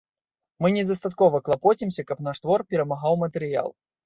Мы недастаткова клапоцімся, каб наш твор перамагаў матэрыял.